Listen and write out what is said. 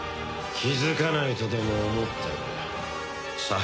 気づかないとでも思ったか？